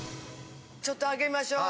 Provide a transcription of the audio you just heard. ちょっと開けましょう。